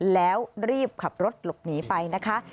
แล้วรีบขับรถหลบหนีไปนะคะ